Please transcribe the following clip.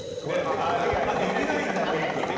できないんだ、ウインク！